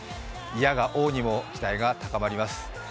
否が応にも期待が高まります。